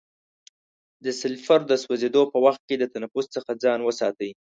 د سلفر د سوځیدو په وخت کې د تنفس څخه ځان وساتئ.